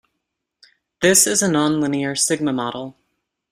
This is a non-linear sigma model.